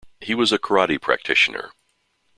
He was a karate practitioner.